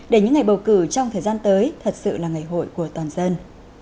để những ngày bầu cử trong thời gian tới thật sự là ngày hội của toàn dân